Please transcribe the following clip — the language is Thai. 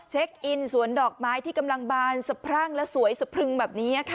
เช็คอินสวนดอกไม้ที่กำลังบานสะพรั่งและสวยสะพรึงแบบนี้ค่ะ